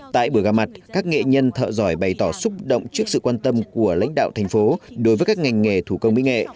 tại buổi gặp mặt các nghệ nhân thợ giỏi bày tỏ xúc động trước sự quan tâm của lãnh đạo thành phố đối với các ngành nghề thủ công mỹ nghệ